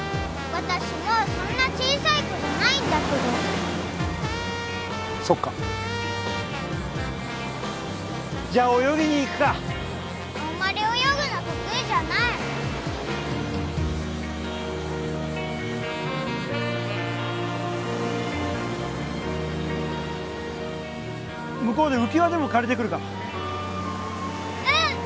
私もうそんな小さい子じゃないんだけどそっかじゃあ泳ぎに行くかあんまり泳ぐの得意じゃない向こうで浮き輪でも借りてくるかうん！